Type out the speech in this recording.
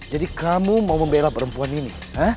jadi kamu mau membela perempuan ini